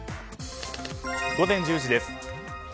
午前１０時です。